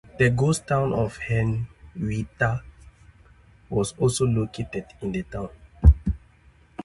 The ghost town of Henrietta was also located in the town.